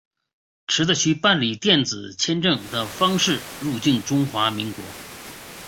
持的需办理电子签证的方式入境中华民国。